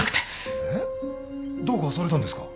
えっ？どうかされたんですか？